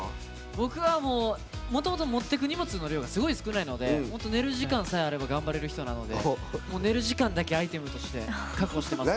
僕は持っていく荷物の数がすごい少ないので寝る時間さえあれば頑張れる人なので寝る時間だけアイテムとして確保してますね。